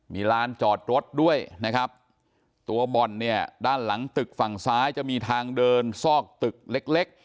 มีลานจอดรถด้วยนะครับตัวบ่อนเนี่ยด้านหลังตึกฝั่งซ้ายจะมีทางเดินซอกตึกเล็กเล็ก